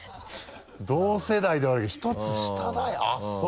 同世代であり１つ下だよあっそう。